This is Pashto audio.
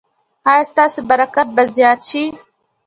ایا ستاسو برکت به زیات شي؟